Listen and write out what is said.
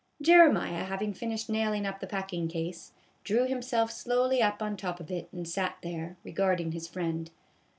Jeremiah, having finished nailing up the packing case, drew himself slowly up on top of it, and sat there, regarding his friend.